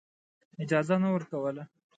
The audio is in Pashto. اجازه نه ورکوله.